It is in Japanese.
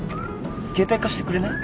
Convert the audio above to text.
携帯貸してくれない？